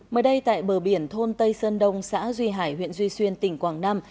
mới đây tại bờ biển thôn tây sơn đông xã duy hải huyện duy xuyên tỉnh quảng nam